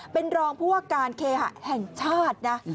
เป็นรองผู้ว่าการเคหะแห่งชาตินะ